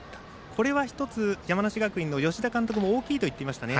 これは山梨学院の吉田監督も大きいと言っていましたね。